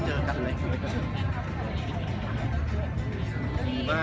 แม่กับผู้วิทยาลัย